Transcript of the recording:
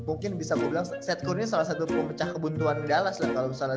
mungkin bisa gue bilang set kurnia salah satu pemecah kebuntuan dallas kalau salah